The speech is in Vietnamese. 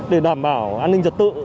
để đảm bảo an ninh trật tự